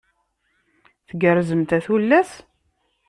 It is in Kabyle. Tgerrzemt a tullas?